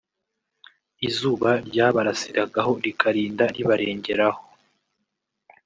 izuba ryabarasiragaho rikarinda ribarengeraho